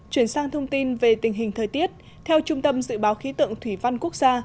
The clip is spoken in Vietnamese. chuyển sang thông tin về tình hình thời tiết theo trung tâm dự báo khí tượng thủy văn quốc gia